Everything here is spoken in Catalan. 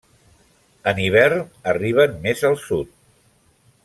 En hivern arriben més al sud.